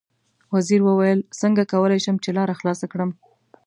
وزیر وویل: څنګه کولای شم چې لاره خلاصه کړم.